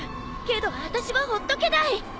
けど私はほっとけない！